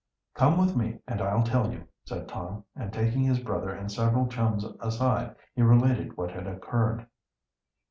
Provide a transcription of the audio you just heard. "Come with me and I'll tell you," said Tom, and taking his brother and several chums aside he related what had occurred.